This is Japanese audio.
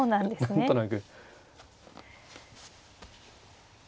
何となく。